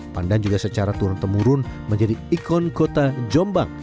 pandan juga secara turun temurun menjadi ikon kota jombang